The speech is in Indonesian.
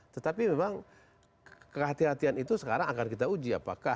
tetapi memang kehatian kehatian itu sekarang akan kita uji